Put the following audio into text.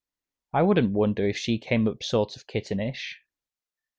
I wouldn't wonder if she came up sort of kittenish!"